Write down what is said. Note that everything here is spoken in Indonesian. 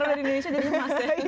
kalau dari indonesia jadi mas ya